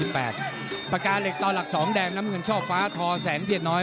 ปากกาเหล็กต่อหลัก๒แดงน้ำเงินช่อฟ้าทอแสงเทียนน้อย